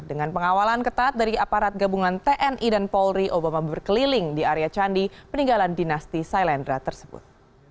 dengan pengawalan ketat dari aparat gabungan tni dan polri obama berkeliling di area candi peninggalan dinasti sailendra tersebut